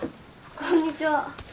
こんにちは。